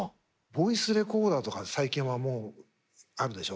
ボイスレコーダーとか最近はもうあるでしょ。